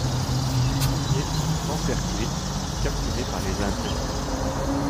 Les premiers se font encercler puis capturer par les Indiens.